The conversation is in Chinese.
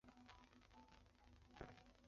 是一款由雅达利制作和发行的街机游戏。